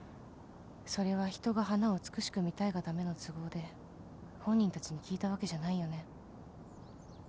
それは人が花を美しく見たいがための都合で本人たちに聞いたわけじゃないよね。